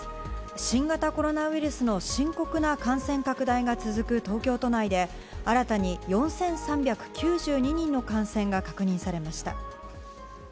新型コロナウイルスの深刻な感染拡大が続く東京都内で新たに４３９２人の感染が確認されました。